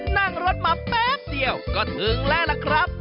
นั่งรถมาแป๊บเดียวก็ถึงแล้วล่ะครับ